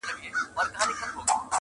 ناموسي دودونه اصل ستونزه ده ښکاره,